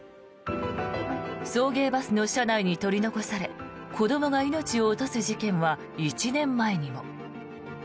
送迎バスの車内に取り残され子どもが命を落とす事件は１年前にも。